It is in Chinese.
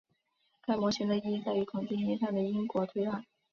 该模型的意义在于统计意义上的因果推断。